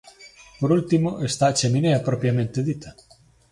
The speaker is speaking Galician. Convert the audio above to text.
Por último está a cheminea propiamente dita.